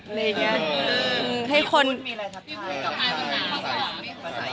พี่พูดมีอะไรทักทาย